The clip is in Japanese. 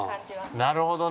なるほどね。